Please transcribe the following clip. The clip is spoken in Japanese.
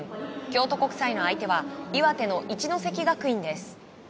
京都国際の相手は岩手の一関学院です。